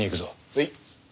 はい。